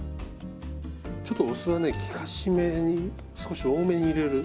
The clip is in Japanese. ちょっとお酢はね効かしめに少し多めに入れる。